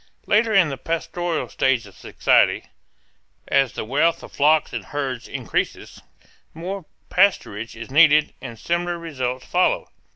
Later in the pastoral stage of society, as the wealth of flocks and herds increases, more pasturage is needed and similar results follow.